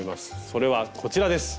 それはこちらです。